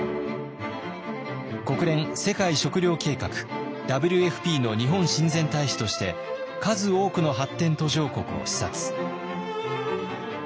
国連世界食糧計画ＷＦＰの日本親善大使として数多くの発展途上国を視察。